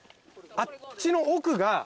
あっちの奥が。